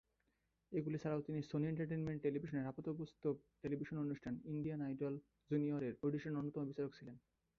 এগুলি ছাড়াও তিনি সনি এন্টারটেইনমেন্ট টেলিভিশনের আপাতবাস্তব টেলিভিশন অনুষ্ঠান "ইন্ডিয়ান আইডল জুনিয়রের" অডিশনের অন্যতম বিচারক ছিলেন।